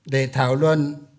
để thảo luận